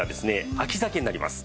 秋鮭になります。